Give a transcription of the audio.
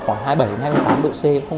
khoảng hai mươi bảy hai mươi tám độ c